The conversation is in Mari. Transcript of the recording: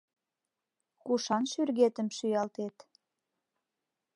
- Кушан шӱргетым шӱалтет?